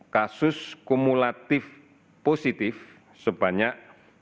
kasus kumulatif positif sebanyak enam ratus delapan puluh enam